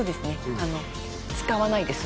あの使わないです